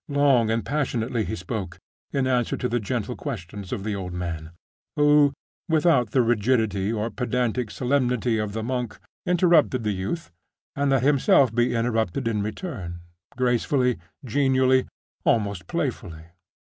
Long and passionately he spoke, in answer to the gentle questions of the old man, who, without the rigidity or pedantic solemnity of the monk, interrupted the youth, and let himself be interrupted in return, gracefully, genially, almost playfully.